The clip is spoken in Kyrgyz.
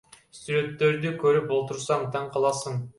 Сүрөттөрдү көрүп олтурсаң таң каласың.